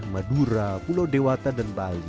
madura pulau dewata dan bali